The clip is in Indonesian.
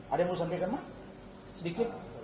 ada yang mau sampaikan pak sedikit